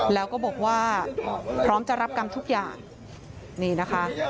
แล้วก็บอกว่าพร้อมจะรับกรรมทุกอย่าง